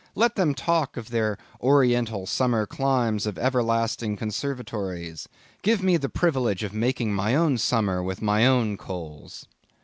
Let them talk of their oriental summer climes of everlasting conservatories; give me the privilege of making my own summer with my own coals.